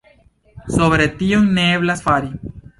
Sobre tion ne eblas fari.